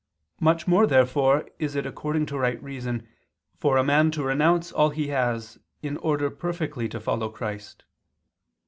Much more therefore is it according to right reason for a man to renounce all he has, in order perfectly to follow Christ.